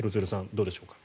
どうでしょうか。